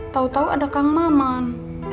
tahu tahu ada kang maman